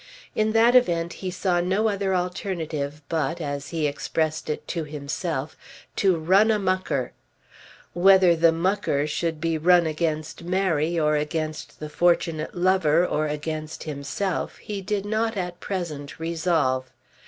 In that event he saw no other alternative but, as he expressed it to himself, "to run a mucker." Whether the "mucker" should be run against Mary, or against the fortunate lover, or against himself, he did not at present resolve.